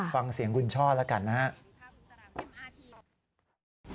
ฟังเสียงคุณช่อแล้วกันนะครับ